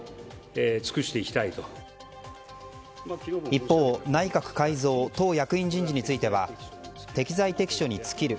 一方、内閣改造党役員人事については適材適所に尽きる。